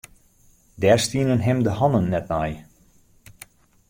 Dêr stienen him de hannen net nei.